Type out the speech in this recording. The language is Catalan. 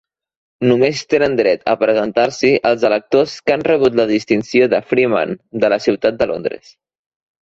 Només tenen dret a presentar-s'hi els electors que han rebut la distinció de "freeman" de la ciutat de Londres.